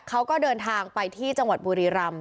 เขาก็เดินทางไปที่จังหวัดบุรีรำ